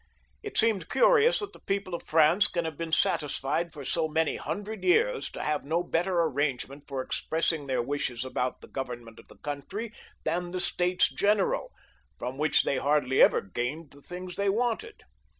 It seems curious that the people of Prance can have been satisfied for so many hundred years to have no better arrangement for expressing their wishes about the government of the country than the States General, from which they hardly ever gained the things they wanted.